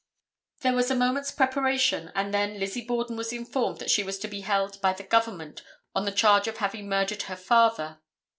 There was a moment's preparation, and then Lizzie Borden was informed that she was held by the Government on the charge of having murdered her father.